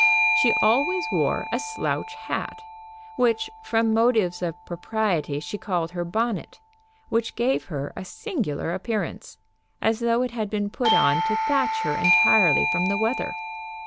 She always wore a slouch hat, which from motives of propriety she called her bonnet, which gave her a singular appearance, as though it had been put on to thatch her entirely from the weather.